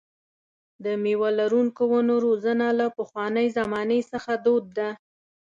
د مېوه لرونکو ونو روزنه له پخوانۍ زمانې څخه دود ده.